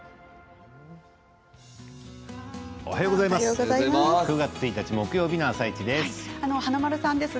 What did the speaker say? おはようございます。